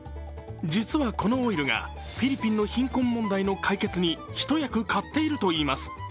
実はこのオイルがフィリピンの貧困問題の解決に一役買っているといいます。